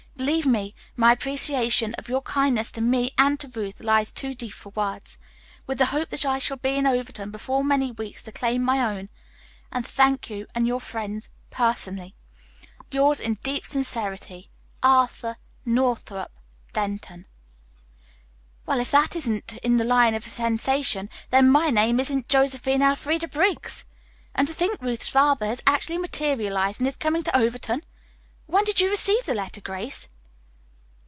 Believe me, my appreciation of your kindness to me and to Ruth lies too deep for words. With the hope that I shall be in Overton before many weeks to claim my own, and thank you and your friends personally, "Yours in deep sincerity, "ARTHUR NORTHRUP DENTON." "Well, if that isn't in the line of a sensation, then my name isn't Josephine Elfreda Briggs! And to think Ruth's father has actually materialized and is coming to Overton? When did you receive the letter, Grace?"